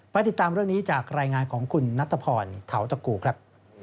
ติดตามเรื่องนี้จากรายงานของคุณนัทพรเทาตะกูครับ